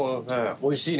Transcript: おいしいね。